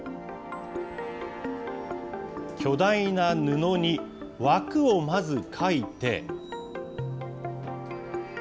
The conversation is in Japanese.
巨大な布に枠をまず書いて。